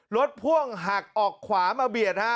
รถพ่วงหักออกขวามะเบียด